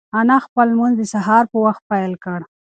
انا خپل لمونځ د سهار په وخت پیل کړ.